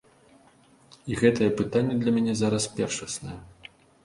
І гэтае пытанне для мяне зараз першаснае.